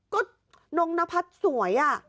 ก็น้องนพัดสวย